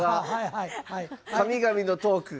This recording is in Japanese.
神々のトークが。